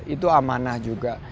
itu amanah juga